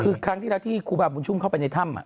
คือครั้งที่เราที่คุณบาปรุงชุมเข้าไปในถ้ำ